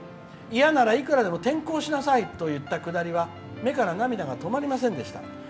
嫌ならいくらでも転校しなさいと言ったくだりは目から涙が止まりませんでした。